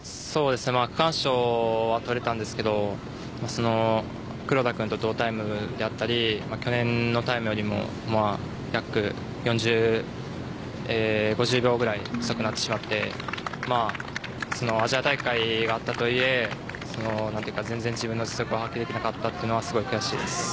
区間賞はとれたんですが黒田君と同タイムであったり去年のタイムよりも約５０秒ぐらい遅くなってしまってアジア大会があったとはいえ全然自分の実力を発揮できなかったというのはすごい悔しいです。